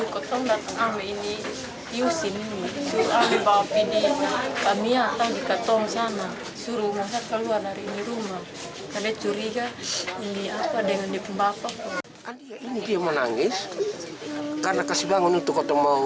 kepada anak dia menangis karena dianggap bangun untuk ketemu